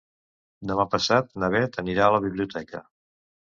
Demà passat na Beth anirà a la biblioteca.